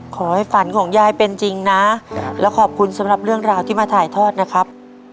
ฝันของยายเป็นจริงนะแล้วขอบคุณสำหรับเรื่องราวที่มาถ่ายทอดนะครับ